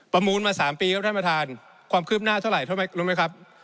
มูลมา๓ปีครับท่านประธานความคืบหน้าเท่าไหร่รู้ไหมครับ